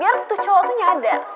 biar tuh cowok tuh nyadar